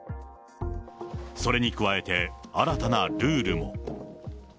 それに加えて、新たなルールも。